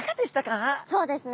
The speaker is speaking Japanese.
そうですね。